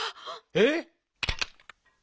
えっ？